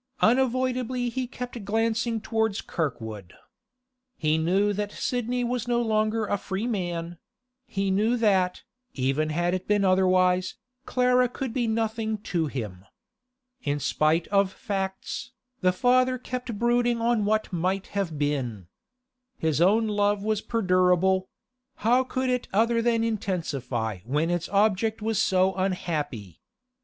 Unavoidably he kept glancing towards Kirkwood. He knew that Sidney was no longer a free man; he knew that, even had it been otherwise, Clara could be nothing to him. In spite of facts, the father kept brooding on what might have been. His own love was perdurable; how could it other than intensify when its object was so unhappy?